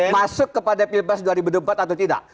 masuk kepada pilpas dua ribu empat atau tidak